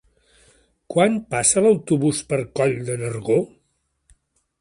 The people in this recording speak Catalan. Quan passa l'autobús per Coll de Nargó?